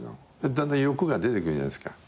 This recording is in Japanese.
だんだん欲が出てくるじゃない。